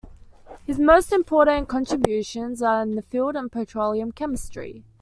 His most important contributions are in the field of petroleum chemistry.